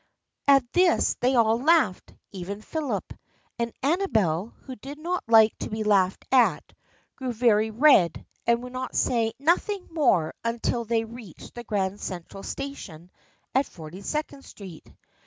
At this they all laughed, even Philip, and Ama bel, who did not like to be laughed at, grew very red and would say nothing more until they reached the Grand Central Station at Forty Second Street.